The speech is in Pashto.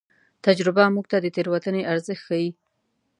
تجربه موږ ته د تېروتنې ارزښت ښيي.